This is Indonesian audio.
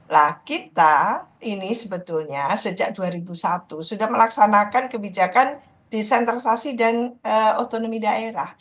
nah kita ini sebetulnya sejak dua ribu satu sudah melaksanakan kebijakan desentralisasi dan otonomi daerah